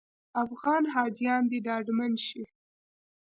افغان حاجیان دې ډاډمن شي.